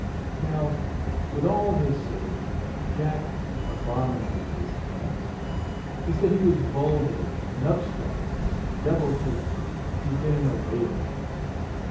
Now, with all his soul, Jack abominated this Tubbs. He said he was vulgar, an upstart—Devil take him, he's been in a whaler.